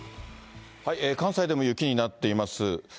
関西でも雪になっています。